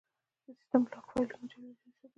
د سیسټم لاګ فایلونه تېروتنې ثبتوي.